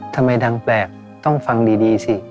ทำไมดังแปลกต้องฟังดีสิ